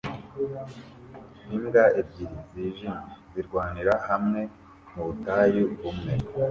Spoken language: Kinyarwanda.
Imbwa ebyiri zijimye zirwanira hamwe mubutayu bumwe